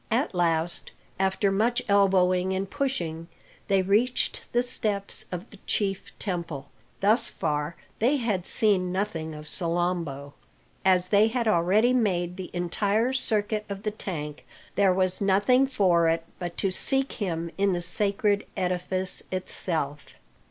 At last, after much elbowing and pushing, they reached the steps of the chief temple. Thus far they had seen nothing of Salambo. As they had already made the entire circuit of the tank, there was nothing for it but to seek him in the sacred edifice itself.